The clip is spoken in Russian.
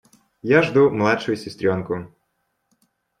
Я жду младшую сестренку.